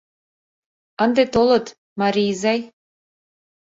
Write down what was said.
Ынде толыт, Мари изай